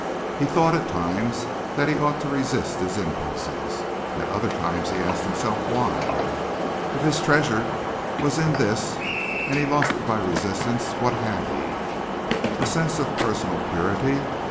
He thought at times that he ought to resist his impulses. At other times he asked himself why. If his treasure was in this and he lost it by resistance, what had he? A sense of personal purity?